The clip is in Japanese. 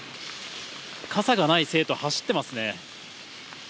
傘がない生徒、走ってますね。